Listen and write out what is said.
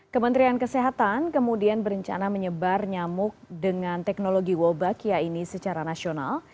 kementerian kesehatan kemudian berencana menyebar nyamuk dengan teknologi wabakia ini secara nasional